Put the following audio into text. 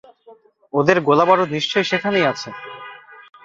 ওদের গোলাবারুদ নিশ্চয়ই সেখানেই আছে।